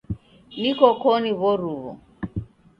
Niko koni w'oruw'o.